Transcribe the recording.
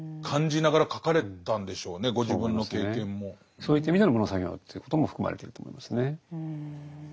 そういった意味での「喪の作業」ということも含まれてると思いますね。